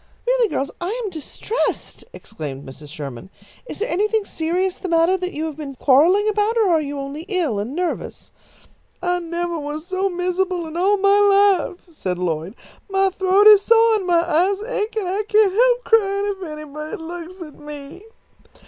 "Really, girls, I am distressed!" exclaimed Mrs. Sherman. "Is there anything serious the matter that you have been quarrelling about, or are you only ill and nervous?" "I nevah was so mizzible in all my life," said Lloyd. "My throat is soah and my eyes ache, and I can't help cryin' if anybody looks at me."